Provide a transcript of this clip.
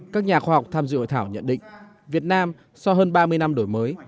các nhà khoa học tham dự hội thảo nhận định việt nam sau hơn ba mươi năm đổi mới